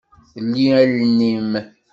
Ldi allen-im!